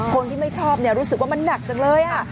คนที่ไม่ชอบรู้สึกว่ามันหนักจังเลยค่ะ